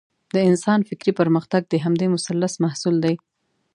د انسان فکري پرمختګ د همدې مثلث محصول دی.